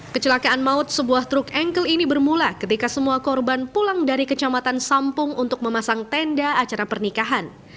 kecelakaan maut sebuah truk engkel ini bermula ketika semua korban pulang dari kecamatan sampung untuk memasang tenda acara pernikahan